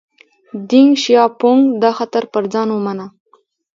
دینګ شیاپونګ دا خطر پر ځان ومانه.